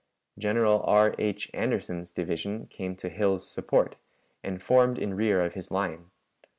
General R, H. Anderson's division came to Hill's support, and formed in rear of his line.